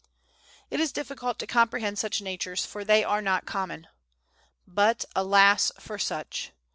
It is difficult to comprehend such natures, for they are not common. But, alas for such!